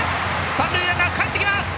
三塁ランナーかえってきます。